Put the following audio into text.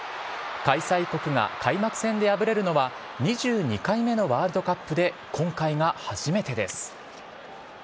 開催国が開幕戦で敗れるのは２２回目のワールドカップで今回が初めてです。